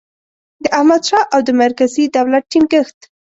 د احمدشاه او د مرکزي دولت ټینګیښت